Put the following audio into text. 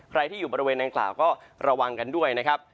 ใครที่อยู่บริเวณนางกล่าวก็ระวังกันด้วยนะครับ